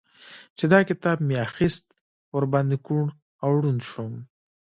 چې دا کتاب مې اخيست؛ ور باندې کوڼ او ړونډ شوم.